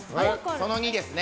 その２ですね。